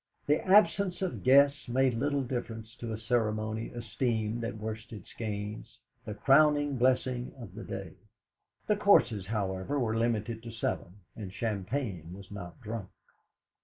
The absence of guests made little difference to a ceremony esteemed at Worsted Skeynes the crowning blessing of the day. The courses, however, were limited to seven, and champagne was not drunk.